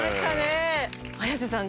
綾瀬さん